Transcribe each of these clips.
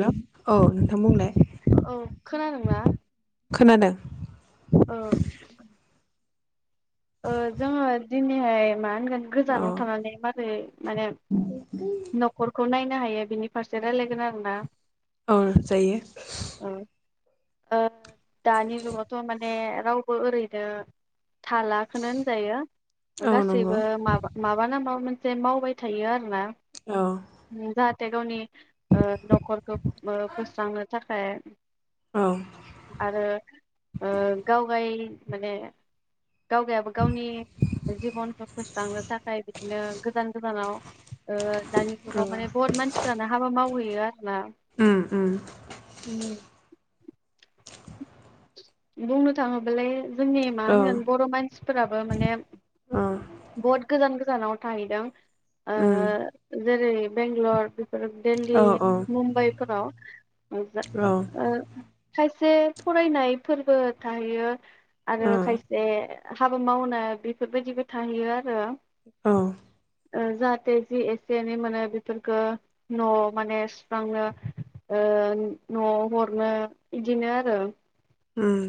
हेल' औ नोंथां बुंलाय औ खोनादों ना? खोनादों। ओं ओ जोंङो दिनैहाय इमा न औ गोजानाव मारै माने नखरखौ नाय नो हायो बिनि फारसे रायलायगोन आरों ना। औ जायो ओ दानि जुगावथ' माने रावबो ओरैनो थाला खोनो होनजायो। औ नंगौ गासैबो माबा माबा ना माबा मोन जेन मावबाय थायो आरो ना औ थाय गावनि ओ न'खरखौ बो बोस्रांनो थाखाय औ आरो गाव गाय माने गावगायाबो गावनि जिबनखौ फोस्रांनो थाखाय बिदिनो गोजान गोजानाव ओ दानि औ जुगाव माने बहुत मानसिफोरानो हाबा मावहै बेराद ना उम उम [unintelligible] बुंनो थाङोबालाय जोंनि मा औ होनगोन बर' मानस सिफोराबो माने औ बहत गोजान गोजानाव थाहैदों ओ उम जेरै बेगल'र बे ओ देल्ली औ मुम्बाइफोराव [inaudible] औ खायसे फरायनाय फोरबो थाहैयो आरो औ खायसे हाबा मावनाय बेफोरबायदिबो थाहैयो आरो औ ओ जाहाथे जि एसे एनै मोनो बेफोरफोरखो न'वाव माने सुस्रांनो ओ न'वाव हरनो इदिनो आरो उम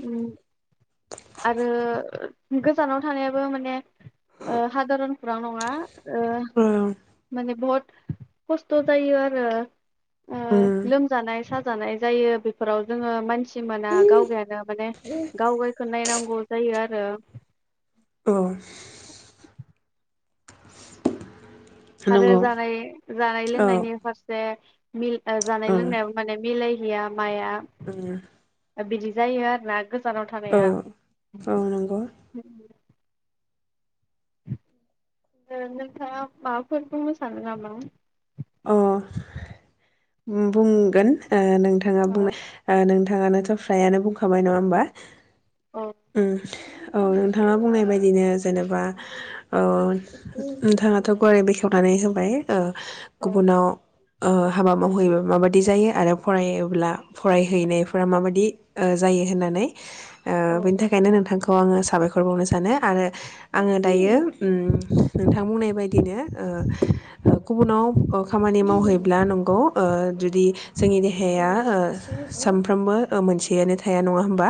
उम आरो गोजानाव थानायाबो माने ओ हादोरावनो खुरां नङा ओ औ उम औ माने बहुद खस्थ' जायो आरो ओ लोमजानाय साजानाय जायो बेफोराव जोङो मानसि मोना गावगायानो माने गावगायखौ नायनांगौ जायो आरो आरो नंगौ जानाय जानाय औ लोंनायनि फारसे मिल ओ जानाय औ लोंनायाव माने मिलाय गैया माइया उम ओ बिदि जायो आरो ना गो जानाव औ थानाया औ नंगौ ओं नोंथाङा माबाफोर बुंनो सानो नामा? अ बुंगोन ओ नों नोंथाङा ओ बुंनाय ओ नों थाङानोथ' फ्रायानो बुंखाबाय नङा होमबा औ उम औ नोंथाङा बुंनाय बायदिनो जेनेबा औ नोंथाङाथ' गुवारै बेखेवनानै होबाय औ औ गुबुनाव ओ हाबा मावहैयोबा माबायदि जायो आरो फरायोब्ला फरायहैनायफोरा माबादि ओ जायो होननानै ओ औ बिनि थाखायनो नोंथांखौ आङो साबायखर बावनो सानो आरो आङो दायो उम नोंथां बुंनाय बायदिनो ओ गुबुनाव ओ खामानि मावहैब्ला नंगौ ओ जुदि जोंनि देहाया ओ सानफ्रोमबो ओमोनसेयानो थाया नङा होमबा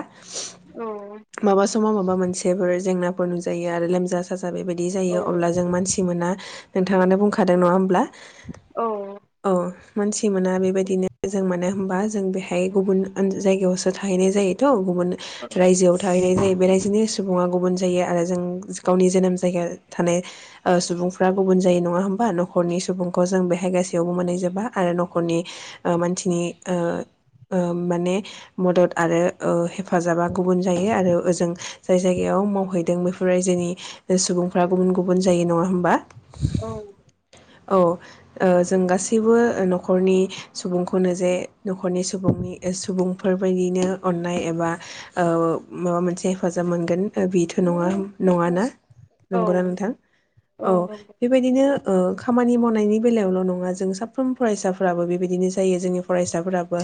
औ माबा समाव माबा मोनसेफोर जेंना [unintelligible] जायो आरो लोमजा साज बा बेबायदि औ जायो अब्ला जों मानसि मोना नोंथाङानो बुंखादों नङा होमब्ला? औ औ मानसि मोना बेबायदिनो जों मानो होनबा जों बेहाय गुबुन ओन जायगायावसो थाहैनाय जायोथ' गु बुन रायजोआव थाहैनाय जायो बेरायजोनि सुबुङा गुबुन जायो आरो जों गावनि जोनोम जायगा थानाय ओ सुबुंफ्रा गुबुन जायो नङा होमबा न'खरनि सुबुं अ जों बेहाय गासैयावबो मोनहैजोबा आरो न'खरनि ओ मानसिनि ओ ओ माने मदद आरो ओ हेफाजाबा गुबुन जायो आरो ओजों जाय जायगायाव मावहैदों बेफोर रायजोनि सुबुंफ्रा गुबुन गुबुन जायो नङा होमबा औ औ ओ जों गासैबो न'खरनि सु बुंखौनो जे न'खरनि सुबुंनि ओस सुबुंफोरबायदिनो अननाय एबा ओ माबा मोनसे हेफाजाब मोनगोन बिथ' नङा नङाना औ नंगौना नोंथां? औ बेबायदिनो ओ खामानि मावनायनि बेलायावल' नङा जों साफ्रोम फरायसाफोराबो बेबायदिनो जायो जोंनि फरायसाफोराबो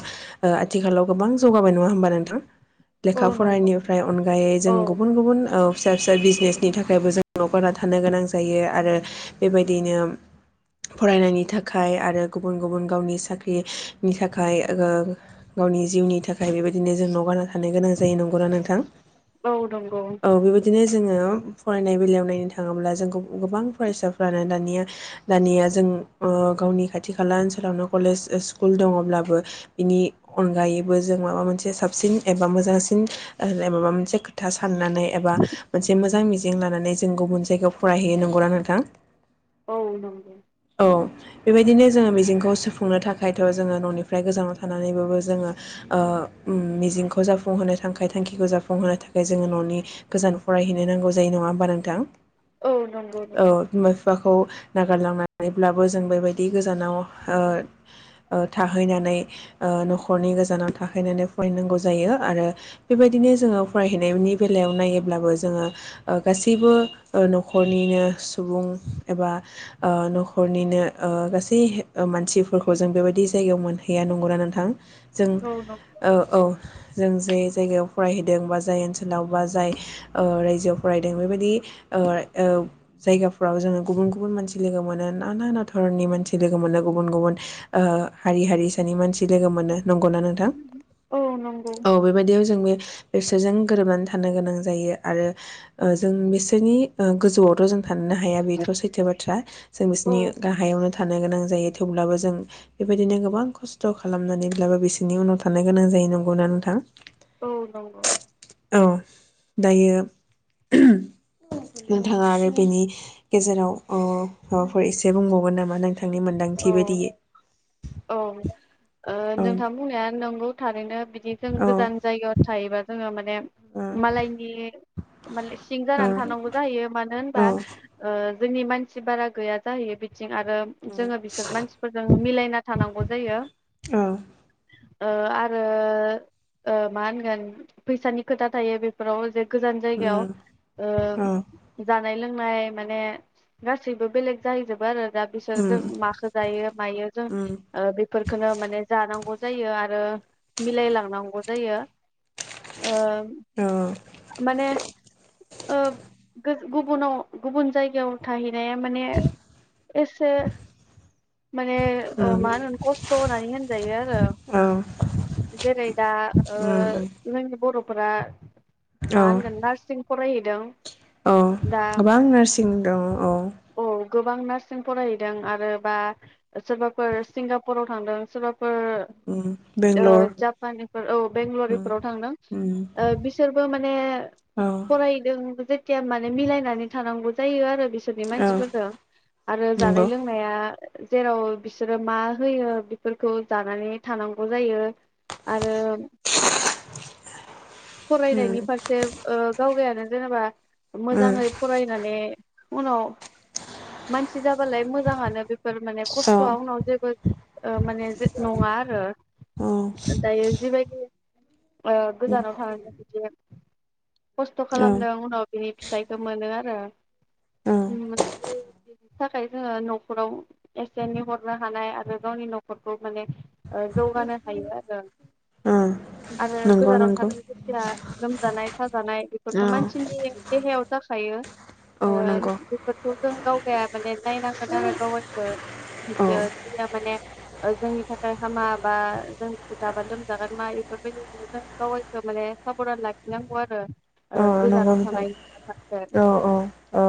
ओ आथिखालाव गोबां जौगाबाय नङा होमबा नोंथां लेखा औ नंगौ फरायनिफ्राय अनगायै औ जों गुबुन गुबुन ओ फिसा फिसा बिजनेसनि थाखायबो जों न' गारना थानो गोनां जायो आरो बेबायदिनो फरायनायनि थाखाय आरो गुबुन गुबुन गावनि साख्रि नि थाखाय ओ ङो गावनि जिउनि थाखाय बेबायदिनो जों न' गारना थानो गोनां जायो नंगौना नोंथां औ नंगौ औ बेबायदिनो जोङो फरायनाय बेलायाव नायनो थाङोब्ला जों गुब गोबां फरायसाफ्रानो दानिया दानिया जों ओ गावनि खाथि खाला ओनसोलावनो कलेज ओ स्कुल दङ'ब्लाबो बिनि अनगायैबो जों माबा मोनसे साबसिन एबा मोजांसिन [unintelligible] ओ माबा मोनसे खोथास साननानै एबा मोनसे मोजां मिज जिं लानानै जों गुबुन जायगायाव फरायहैयो नंगौना नोंथां? औ नंगौ औ बेबायदिनो जोङो मिजिंखौ सुफुंनो थाखायथ' जोङो न'निफ्राय गोजानाव थानानैबाबो जोङो ओ उम मिजिंखौ जाफुंहोनो थाखाय थांखिखौ जाफुंहोनो थाखाय जोङो न'नि गोजान फरायहैनो नांगौ जायो नङा होमबा नोंथां औ नंगौ नंगौ फाखौ नागारलांना बेब्लाबो जों बेबायदि गोजानाव ओ ओ थाहैनानै ओ न'खरनि गोजानाव थाहैनानै फरायनांगौ जायो आरो बेबायदिनो जोङो फरायहैनायनि बेलायाव नायोब्लाबो जोङो ओ गासैबो ओ न'खरनिनो सुबुं एबा ओ न' खरनिनो ओ गासै ओ मानसिफोरखौ जों बेबायदि जायगायाव मोनहैया नंगौना नोंथां? जों औ नंगौ ओ औ जों जे जायगायाव फरायहैदों बा जाय ओनसोलाव बा जाय ओ रायजोआव फरायदों बेबायदि ओ ओ जायगाफ्राव जोङो गुबुन गुबुन मानसि लोगो मोनो ना ना ना धरननि मानसि लोगो मोनो गुबुन गुबुन ओ हारि हारिसानि मानसि लोगो मोनो नंगौना नोंथां औ नंगौ औ बेबायदियाव जों बे बिसोरजों गोरोबनानै थानो गोनां जायो आरो ओ जों बिसोरनि गोजौआवथ' जों थानोनो हाया बेथ' सैथो बाथ्रा जों बिस औ नि गाहायावनो थानो नो गोनां जायो थेवब्लाबो जों बेबायदिनो गोबां खस्थ' खालामनानैब्लाबो बिसोरनि उनाव थानो गोनां जायो नंगौना नोंथां औ नंगौ औ दायो नोंथाङा आरो बेनि गेजेराव अ उम माबाफोर एसे बुंबावगोन नामा नों थांनि मोन्दांथि बायदियै। औ ओ औ नोंथां बुंनाया नंगौ। थारैनो बिदि जों औ गोजान जायगायाव थायोबा जोङो माने ओ मालायनि माने सिं जानानै थानांगौ जाहैयो मानो होनबा ओ ओ जोंनि मानसि बारा गैया जाहैयो बिथिं आरो जोङो बिसोर मानसिफोरजों मिलायना थानांगौ जायो। औ ओ आरो ओ मा होनगोन फैसानि खोथा थायो बेफोराव जे गोजान उम जायगायाव औ ओ जा नाय लोंनाय माने गासैबो बेलेग जाहैजोबो आरो उम जों माखो जायो मायो जों उम ओ बेफोरखौनो माने जानांगौ जायो आरो मिलाय लांनांगौ जायो। ओ औ माने ओ ओ गुबुनाव गुबुन जायगायाव थाहै नाया माने एसे माने ओ उम मा होनोन खस्थ' होननानै होनजायो आरो औ जेरै दा ओ उम उम जोंनि बर' फोरा औ औ दा गोबां नार्सिं दङ औ औ गोबां नार्सिं फरायहैदों आ रोबा सोरबाफोर सिंगापुराव थांदों सोरबा फोर उम ओ बेंगलर जापानफोर औ उम बेंगलरिफोराव थांदों उम बिसोरबो ओ माने औ फरायदों [unintelligible] माने मिलायनानै थानांगौ जायो आरो। बिसोरनि औ मानसिफोरखौ आरो जानाय नंगौ लों जेराव बिसोरो मा होयो बेफोरखौ जानानै थानांगौ जायो आरो ‌ उम फरायनायनि फारसे ओ गावगायानो जेनबा उम औ मोजाङै फरायनानै उनाव मानसि जाबालाय मोजाङानो बे फोर माने औ खस्थ'आ उनाव जेबो माने नङा आरो उम दायो जिबायदि ओ गोजानाव थां [unintelligible] खस्थ' औ खालामदों उनाव बिनि फिथाइखौ मोनो आरो औ ओम। थाखाय जोङो न'खराव एसे एनै हरनो हानाय आरो गावनि न'खरखौ माने ओ जौगानो हायो आरो औ आरो नंगौ गोजानाव नंगौ थादों जे या लोमजानाय साजानाय औ बेफोरखौ मानसिनि देहायाव जाखायो ओ नंगौ बेफोरखौ जों गावगाया माने नायनांगोन आरो गावगाखो औ बियो माने जोंनि थाखाय हामा बा जोंनि जागा लोमजागोन मा बेफोरबायदि मोनो दां गावगायखौ माने साब'धान लाखिनांगौ आरो औ ओ गोजानाव नंगौ नोंथां थानाय फारसे औ औ औ।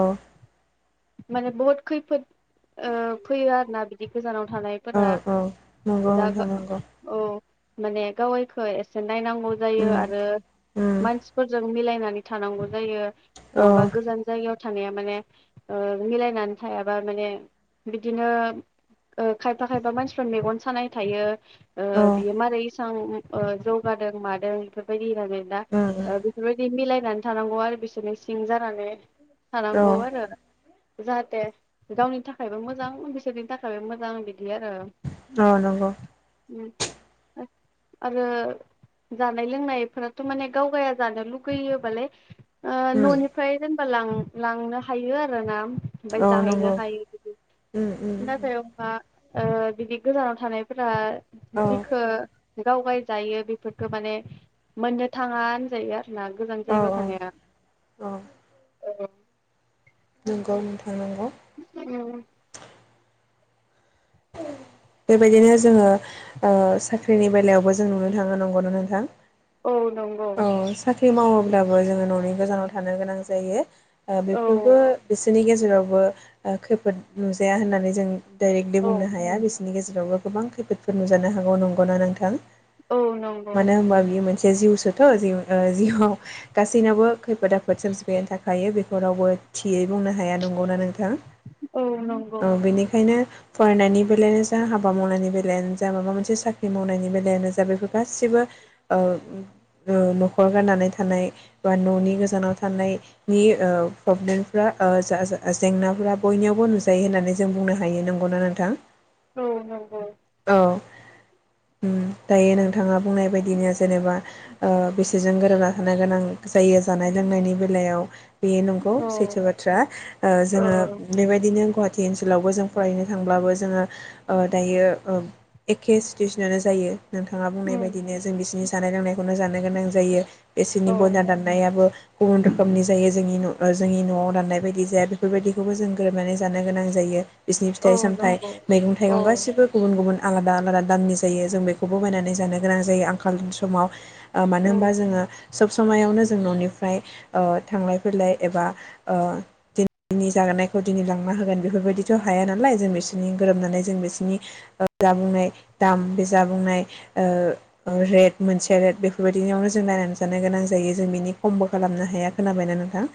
माने बुहुत खैफोद ओ फैयो आरोना बिदि गोजानाव औ थानायफोरा औ नंगौ दा नोंथां नंगौ औ। माने गावगायखौ एसे नायनांगौ जायो उम आरो उम मानसिफोरजों मिलायनानै थानांगौ जायो। औ नङाबा गोजानय जायगायाव थानाया माने ओ मिलायनानै थायाबा माने बिदिनो ओ खायफा खायफा मानसिफोर मेगन सानाय थायो। आ उम बेमारै थां औ जौगादों मादों बेफोरबायदि उम [unintelligible] बिफोरबायदि मिलाय फैनानै थानांगौ आरो बिसोरनो सिं जानानै औ थानांगौ आरो जाहाथे गावनि थाखायबो मोजां बिसोरनि थाखायबो मोजां बिदि आरो औ नंगौ। आरो जानाय लोंनायफोराथ' माने गावगाया जानो लुगैयोबालाय ओ उम न'निफ्राय जों लां लांनो हायो आरो रो ना। ओमफ्राय औ जाहैनो नंगौ हायो बिदि उम उम नाथाय अबा ओ बिदि गोजानाव थानायफोरा औ जिखो गाव गाय जायो बेफोरखौ माने मोननो थाङा होनजायो आरो गोजान गोजान औ जायगायाव थानाया औ औ। नंगौ नोंथां। होननांगौ बेबायदिनो जोङो साख्रिनि बेलायावबो जों नुनो थाङो नंगौ ना नोथां? औ नंगौ। साख्रि मावोब्लाबो जोङो न'नि गोजानाव थानो गोनां जायो। ओ औ बेफोरबो बिसोरनि गेजे जेरावबो खैफोद नुजाया होननानै जों दै दि औ बुंनो हाया बिसोरनि गेजेर जेरावबो गोबां खैफोदफोर नुजानो हागौ नंगौना नोंथां? औ नंगौ मानो होनोमबा बियो मोन बे जिउसोथ' जि जिउआव गासैनावबो खैफोद आफोद सोमजिबायनायनि थाखायो बेखौ रावबो थियै बुंनो हाया नंगौना नोंथां? औ नंगौ औ बेनिखायनो फरायनायनि बेलायानो जा हाबा मावनायनि बेलायानो जा माबा मोनसे साख्रि मावनायनि बेलायानो जा बेफोर गाैसैबो ओ ओ न'खर गारनानै थानाय एबा न'नि गोजानाव थानायनि ओ प्रब्लेमफ्रा जा ओ जेंनाफ्रा बयनियावबो नुजायो होननानै जों बुंनो हायो नं गौना नोंथां? औ औ औ। औ उम दायो नोंथाङा बुंनाय बायदिनो जेनेबा बिसोरजों गोरोबना थानो गोनां जायो जानाय लोंनायनि बेलायाव बेयो नंगौ औ सैथो बाथ्रा। ओ जोङो औ बेबायदिनो गहा सिटी ओनसोलावबो जों फरायनो थांब्लाबो जोङो ओ दायो ओ एखे सिटुवेसनानो जायो। नोंथाङा बुंनाय उम बायदिनो जों बिसोरनि जानाय लोंनाय बेखौनो जानो गोनां जायो बिसोरनि औ बयलार दाननायाबो गुबुन रोखोमनि जायो जोंनि जोंनि न'आव राननाय बायदि जाया बेफोरबायदिखौबो जों गोरोबनानै जानो गोनां जायो बिसिनि औ फिथाइ सामथाइ नंगौ मैगं औ थाइगं गासिबो गुबुन गुबुन आलादा आलादा दामनि जायो जों बेखौबो बायनानै जानो गोनां जायो आंखालनि समाव। ओ मानो औ होनोमबा जोङो सोब समायावनो जों न'निफ्राय ओ थांलाय फैलाय एबा ओ दिनैनि जानायखौ दिनै लांना होगोन बेफोरबायदिथ' हाया नालाय जों बिसोरनि गोरोबनानै जों बिसोरनि जाबुंनाय दाम बे जाबुंनाय ओ रेट मोनसे रेट बेफोरबायदिनियावनो जों रायनानै जानो गोनां जायो जों बिनि खमबो खालामनो हाया खोनाबायना नोंथां।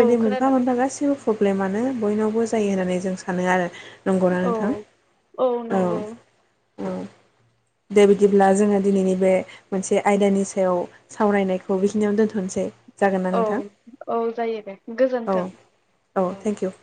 औ मोनफा खोनादों मोनफा गासिबो प्रब्लेमानो बयनावबो जायो होननानै जों सानो आरो। नंगौना औ नोंथां? औ। औ। दे बिदिब्ला जोङो दिनैनि बे मोनसे आयदानि सायाव सावरायनायखौ बेखिनियावनो दोनथ'नसै। औ औ जायो दे औ गोजोन्थों। औ। Thank you